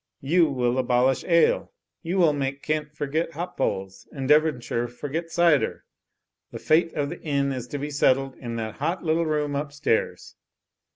You will abolish ale! You will make Kent forget hop poles, and Devonshire forget cider! The fate of the Inn is to be settled in that hot little room upstairs